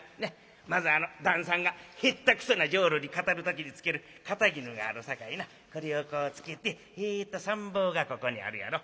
まずあの旦さんが下手くそな浄瑠璃語る時につける肩衣があるさかいなこれをこうつけてえっと三方がここにあるやろ。